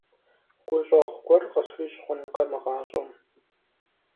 ГущӀэгъу гуэр къысхуищӀ хъунукъэ мы гъащӀэм?